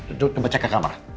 duduk tempat cek ke kamar